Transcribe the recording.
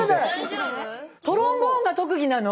トロンボーンが特技なの？